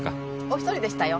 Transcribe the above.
お１人でしたよ。